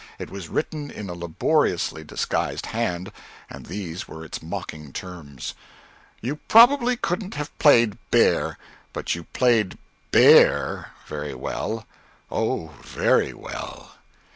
It was written in a laboriously disguised hand, and these were its mocking terms: "You probably couldn't have played bear, but you played bare very well oh, very very well!"